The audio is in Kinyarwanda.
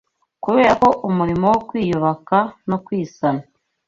Kubera ko umurimo wo kwiyubaka no kwisana